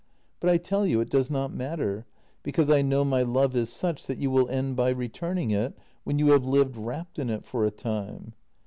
But I tell you it does not matter, because I know my love is such that you will end by returning it, when you have lived wrapped in it for a time."